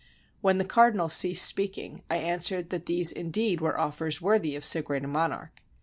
When the cardinal ceased speaking, I answered that these indeed were offers worthy of so great a monarch.